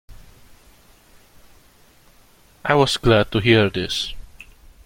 I was glad to hear this.